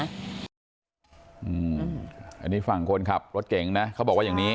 อันนี้ฝั่งคนขับรถเก่งนะเขาบอกว่าอย่างนี้